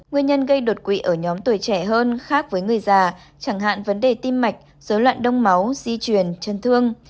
nguyên nhân gây đột quỵ ở nhóm tuổi trẻ hơn khác với người già chẳng hạn vấn đề tim mạch dối loạn đông máu di truyền chân thương